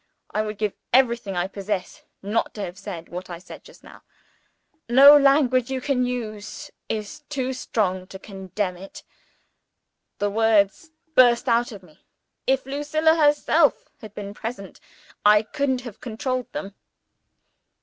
"I would give everything I possess not to have said what I said just now. No language you can use is too strong to condemn it. The words burst out of me: if Lucilla herself had been present, I couldn't have controlled them.